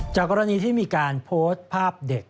กรณีที่มีการโพสต์ภาพเด็ก